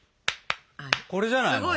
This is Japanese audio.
これじゃないの？